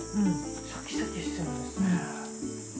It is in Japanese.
シャキシャキしてるんですね。